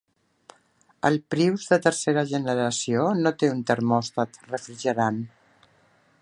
El Prius de tercera generació no té un termòstat refrigerant.